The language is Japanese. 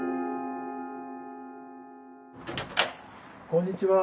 こんにちは。